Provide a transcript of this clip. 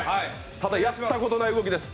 ただ、やったことない動きです。